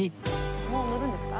もう乗るんですか？